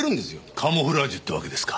カムフラージュってわけですか。